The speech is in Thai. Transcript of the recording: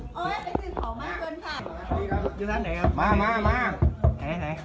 เกลียดหอมมากเกินค่ะ